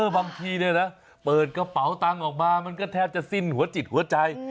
บางทีเปิดกระเป๋าตังค์ออกมามันก็แทบจะสิ้นหัวจิตหัวใจ